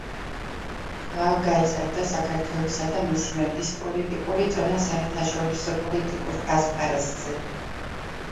კვლავ გაიზარდა საქართველოსა და მისი მეფის პოლიტიკური წონა საერთაშორისო პოლიტიკურ ასპარეზზე.